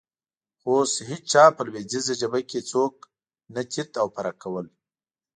خو اوس هېڅ چا په لوېدیځه جبهه کې څوک نه تیت او پرک کول.